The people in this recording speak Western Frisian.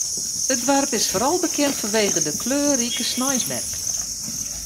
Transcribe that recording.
It doarp is foaral bekend fanwege de kleurrike sneinsmerk.